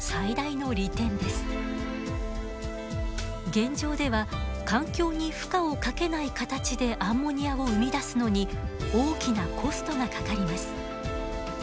現状では環境に負荷をかけない形でアンモニアを生み出すのに大きなコストがかかります。